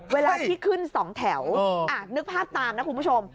เวลาที่ขึ้น๒แถวนึกภาพตามนะคุณผู้ชม